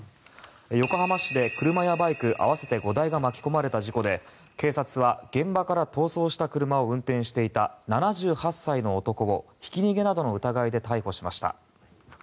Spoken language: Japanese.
横浜市で車やバイク合わせて５台が巻き込まれた事故で警察は現場から逃走した車を運転していた７８歳の男をひき逃げなどの疑いで逮捕しました。